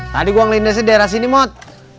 tadi gue ngelindasin daerah sini mot